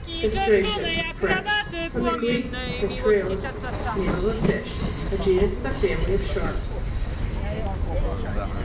CESTRA'CION French, fr. gr. kes traios, name of a fish. A genus of the family of sharks (p.